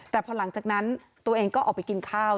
แต่พอหลังจากนั้นตัวเองก็ออกไปกินข้าว